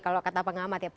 kalau kata pengamat ya